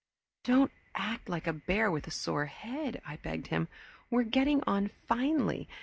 "Don't act like a bear with a sore head," I begged him. "We're getting on finely.